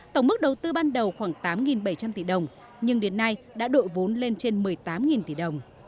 tổng mức đầu tư ban đầu khoảng tám bảy trăm linh tỷ đồng nhưng đến nay đã đội vốn lên trên một mươi tám tỷ đồng